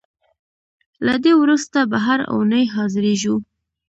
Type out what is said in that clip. له دې وروسته به هر اوونۍ حاضرېږو.